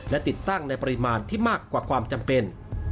และติดตั้งในปริมาณที่มากกว่าความจำเป็น